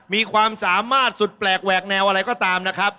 มีความสามารถสุดแปลกแหวกแนวอะไรก็ตามนะครับ